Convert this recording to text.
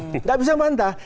tidak bisa bantah